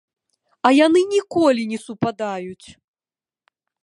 А яны ніколі не супадаюць!